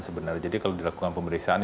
sebenarnya jadi kalau dilakukan pemeriksaan